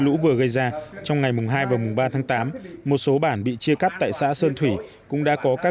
lũ vừa gây ra trong ngày mùng hai và mùng ba tháng tám một số bản bị chia cắt tại xã sơn thủy cũng đã có các